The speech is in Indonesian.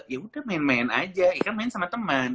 ya udah main main aja ya kan main sama temen